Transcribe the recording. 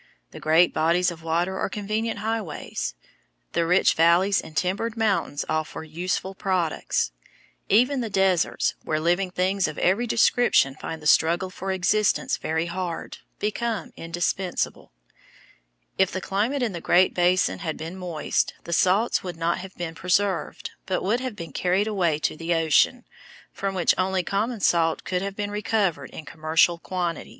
The great bodies of water are convenient highways. The rich valleys and timbered mountains offer useful products. Even the deserts, where living things of every description find the struggle for existence very hard, become indispensable. If the climate in the Great Basin had been moist, the salts would not have been preserved, but would have been carried away to the ocean, from which only common salt could have been recovered in commercial quantities. [Illustration: FIG.